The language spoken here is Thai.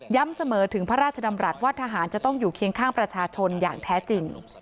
เสมอถึงพระราชดำรัฐว่าทหารจะต้องอยู่เคียงข้างประชาชนอย่างแท้จริง